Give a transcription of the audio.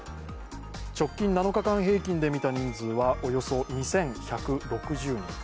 直近７日間平均で見た人数は２１６０人。